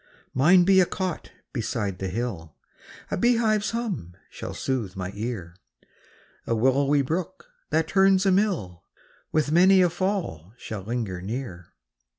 Mine be a cot beside the hill, A bee hive's hum shall sooth my ear; A willowy brook, that turns a mill, With many a fall shall linger near.